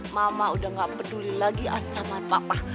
mama udah gak peduli lagi ancaman papa